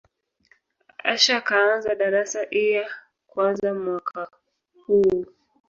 Asha kaanza darasa lya kwanza mwaka uu